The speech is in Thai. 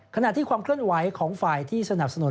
ขณะที่ความเคลื่อนไหวของฝ่ายที่สนับสนุน